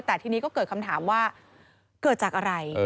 แต่ทีนี้ก็เกิดคำถามว่าเกิดจากอะไร